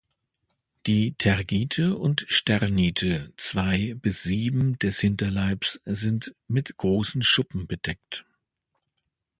Die Tergite und Sternite zwei bis sieben des Hinterleibs sind mit großen Schuppen bedeckt.